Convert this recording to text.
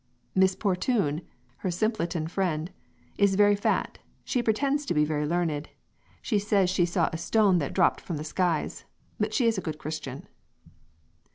"Miss Potune" (her "simpliton" friend) "is very fat; she pretends to be very learned. She says she saw a stone that dropt from the skies; but she is a good Christian."